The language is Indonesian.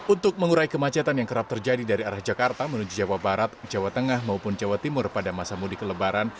untuk mengurai kemacetan yang kerap terjadi dari arah jakarta menuju jawa barat jawa tengah maupun jawa timur pada masa mudik lebaran